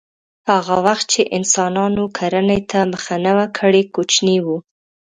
هغه وخت چې انسانانو کرنې ته مخه نه وه کړې کوچني وو